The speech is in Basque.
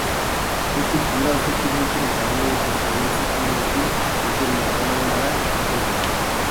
Hortik, gure auzokideekin eta gure ohiko probintziakideekin ditugun harremanetara egiten dugu.